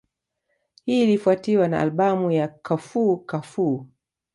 Hii ilifuatiwa na albamu ya Kafou Kafou